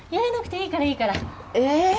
いいからいいから。